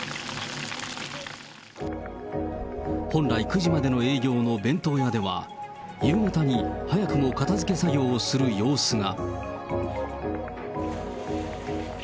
本来９時までの営業の弁当屋では、夕方に早くも片づけ作業をする様子が。